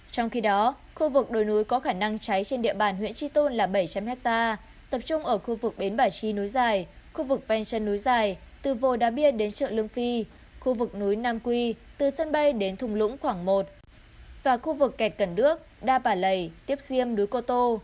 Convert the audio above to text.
trong khi đó khu vực đồi núi có khả năng cháy trên địa bàn huyện tri tôn là bảy trăm linh hectare tập trung ở khu vực bến bãi chi núi dài khu vực ven chân núi dài từ vô đá bia đến chợ lương phi khu vực núi nam quy từ sân bay đến thùng lũng khoảng một và khu vực kẹt cần đước đa bà lầy tiếp diêm núi cô tô